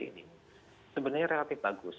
ini sebenarnya relatif bagus